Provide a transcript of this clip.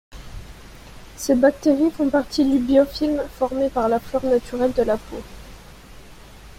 Ces bactéries font partie du biofilm formé par la flore naturelle de la peau.